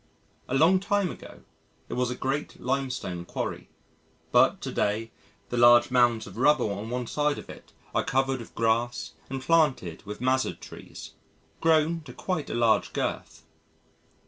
A long time ago, it was a great limestone quarry, but to day the large mounds of rubble on one side of it are covered with grass and planted with mazzard trees, grown to quite a large girth.